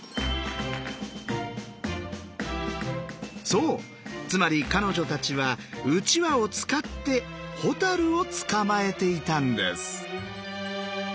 そうつまり彼女たちはうちわを使って蛍を捕まえていたんです。